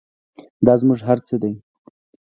دا زموږ هر څه دی